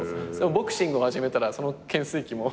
ボクシングを始めたらその懸垂器も。